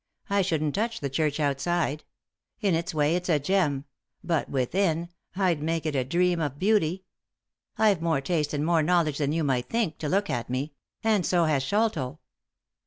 I shouldn't touch the church outside ; in its way it's a gem ; but within — I'd make it a dream of beauty. I've more taste and more knowledge than you might think, to look at me; and so has Sholto.